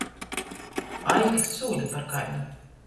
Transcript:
Aizlikt sūli par kaidu.